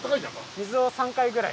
水を３回ぐらい。